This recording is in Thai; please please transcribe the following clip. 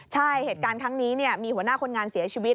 ใช่เหตุการณ์ครั้งนี้มีหัวหน้าคนงานเสียชีวิต